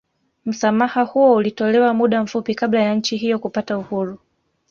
Msamaha huo ulitolewa muda mfupi kabla ya nchi hiyo kupata uhuru